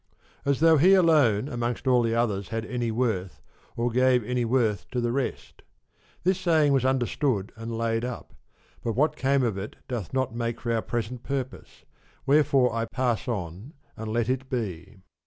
As though he alone amongst all the others had any worth, or gave any worth to the rest. This saying was understood and laid up ; but what came of it doth not make for our present purpose, wherefore I pass on and let it be.